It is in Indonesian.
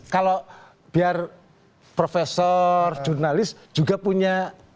kalau biar profesor jurnalis juga punya